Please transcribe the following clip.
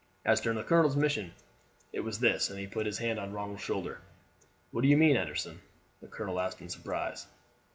As to the colonel's mission, it was this;" and he put his hand on Ronald's shoulder. "What do you mean, Anderson?" the colonel asked in surprise.